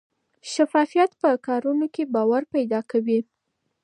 شفافیت په کارونو کې باور پیدا کوي.